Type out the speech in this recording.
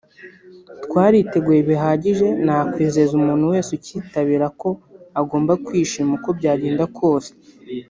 twariteguye bihagije nakwizeza umuntu wese ucyitabira ko agomba kwishima uko byagenda kose